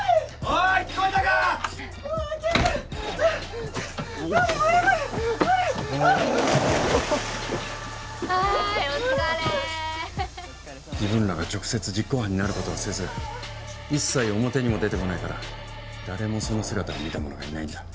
お疲れさま自分らが直接実行犯になることはせず一切表にも出てこないから誰もその姿を見た者がいないんだ